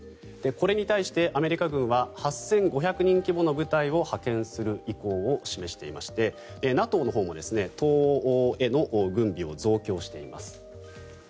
これに対してアメリカ軍は８５００人規模の部隊を派遣する意向を示していましてＮＡＴＯのほうも東欧への軍備を増強しています。